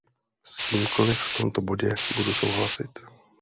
S kýmkoliv v tomto bodě budu souhlasit.